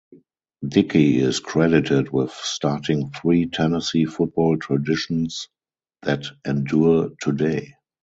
Dickey is credited with starting three Tennessee football traditions that endure today.